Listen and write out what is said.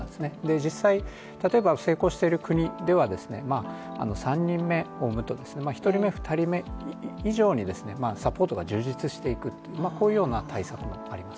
実際、成功している国では３人目を産むと、１人目、２人目以上にサポートが充実していく、こういうような対策もあります。